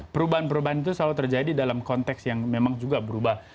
perubahan perubahan itu selalu terjadi dalam konteks yang memang juga berubah